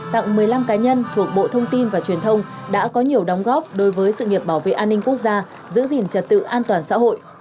tặng một mươi năm cá nhân thuộc bộ thông tin và truyền thông đã có nhiều đóng góp đối với sự nghiệp bảo vệ an ninh quốc gia giữ gìn trật tự an toàn xã hội